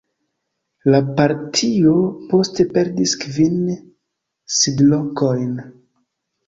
La partio poste perdis kvin sidlokojn.